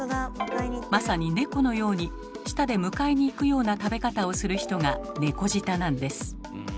まさに猫のように舌で迎えにいくような食べ方をする人が猫舌なんです。